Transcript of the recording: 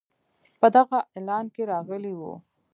په دغه اعلان کې راغلی وو.